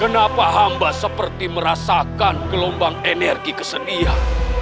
kenapa hamba seperti merasakan gelombang energi kesenian